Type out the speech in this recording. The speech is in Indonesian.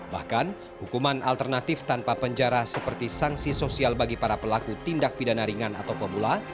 bahkan hukuman alternatif tanpa penjara seperti sanksi sosial bagi para pelaku tindak pidana ringan atau pemula